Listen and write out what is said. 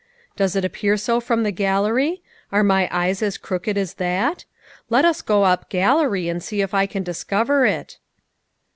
" Does it appear so from the gallery ? Are my eyes as crooked as that ? Let us go up gallery and see if I can dis cover it."